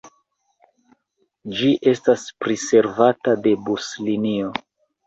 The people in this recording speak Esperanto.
Ĝi estas priservata de buslinio.